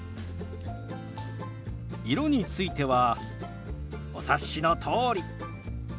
色についてはお察しのとおり！